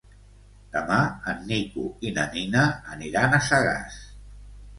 Demà en Nico i na Nina aniran a Sagàs.